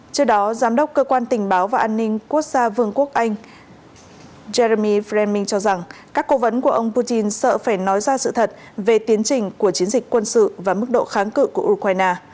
trước đó giám đốc cơ quan tình báo và an ninh quốc gia vương quốc anh jermy franmin cho rằng các cố vấn của ông putin sợ phải nói ra sự thật về tiến trình của chiến dịch quân sự và mức độ kháng cự của ukraine